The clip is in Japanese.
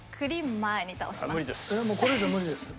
これ以上無理です。